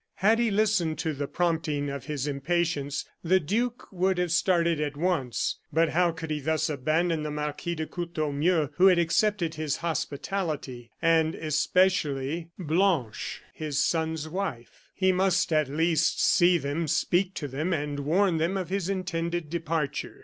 Had he listened to the prompting of his impatience, the duke would have started at once. But how could he thus abandon the Marquis de Courtornieu, who had accepted his hospitality, and especially Blanche, his son's wife? He must, at least, see them, speak to them, and warn them of his intended departure.